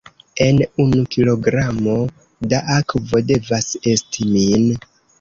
En unu kilogramo da akvo, devas esti min.